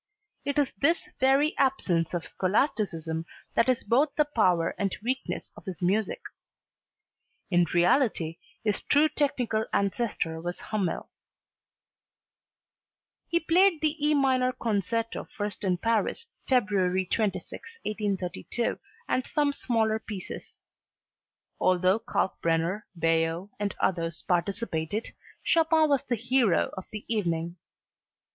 It is this very absence of scholasticism that is both the power and weakness of his music. In reality his true technical ancestor was Hummel. He played the E minor concerto first in Paris, February 26, 1832, and some smaller pieces. Although Kalkbrenner, Baillot and others participated, Chopin was the hero of the evening.